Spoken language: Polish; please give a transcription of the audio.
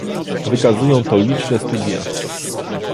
Wykazują to liczne studia